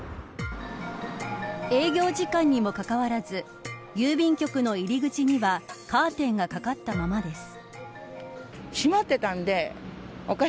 営業時間にもかかわらず郵便局の入り口にはカーテンがかかったままです。